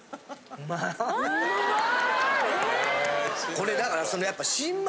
これだから。